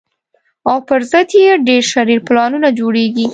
او پر ضد یې ډېر شرير پلانونه جوړېږي